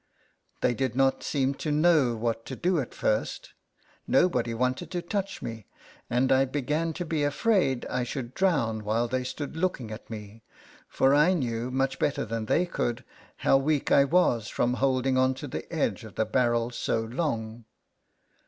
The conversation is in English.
They did not seem to know what to do at first ; nobody wanted to touch me; and I began to be afraid I should drown while they 68 LETTERS FROM A CAT. stood looking, at me, for I knew much better than they could how weak I was from holding on to the edge of the barrel so long.